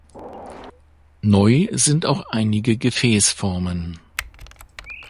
Neu sind auch einige Gefäßformen.